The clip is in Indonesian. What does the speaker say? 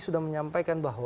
sudah menyampaikan bahwa